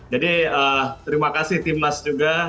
jadi terima kasih tim nas juga